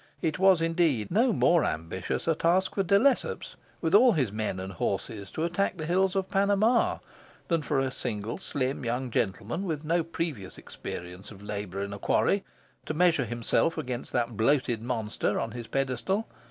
It was, indeed, no more ambitious a task for De Lesseps, with all his men and horses, to attack the hills of Panama, than for a single, slim young gentleman, with no previous experience of labour in a quarry, to measure himself against that bloated monster on his pedestal.